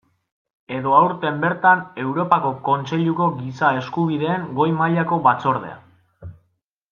Edo aurten bertan Europako Kontseiluko Giza Eskubideen Goi mailako Batzordea.